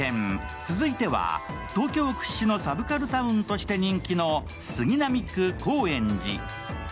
続いては、東京屈指のサブカルタウンとして人気の杉並区高円寺。